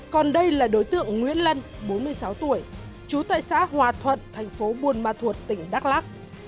còn đây là đối tượng nguyễn lân bốn mươi sáu tuổi trú tại xã hòa thuận thành phố buôn ma thuột tỉnh đắk lắc